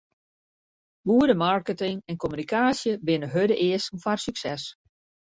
Goede marketing en kommunikaasje binne hurde easken foar sukses.